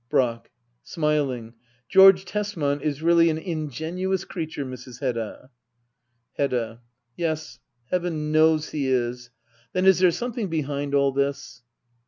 Brack. [Smiling.] George Tesman is really an ingenu ous creature, Mrs* Hedda. Hedda. Yes, heaven knows he is. Then is there some thing behind all this